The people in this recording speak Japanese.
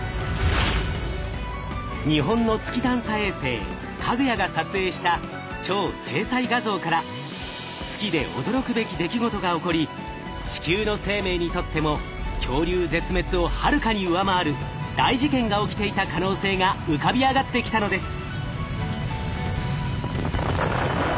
日本の月探査衛星「かぐや」が撮影した超精細画像から月で驚くべき出来事が起こり地球の生命にとっても恐竜絶滅をはるかに上回る大事件が起きていた可能性が浮かび上がってきたのです。